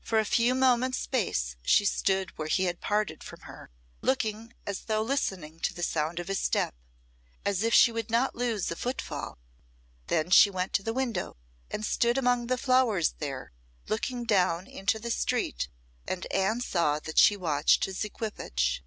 For a few moments' space she stood where he had parted from her, looking as though listening to the sound of his step, as if she would not lose a footfall; then she went to the window, and stood among the flowers there, looking down into the street, and Anne saw that she watched his equipage.